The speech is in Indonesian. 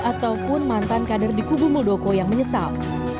ataupun mantan kader di kubu muldoko yang menyesal